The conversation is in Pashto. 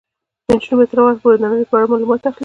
نجونې به تر هغه وخته پورې د نړۍ په اړه معلومات اخلي.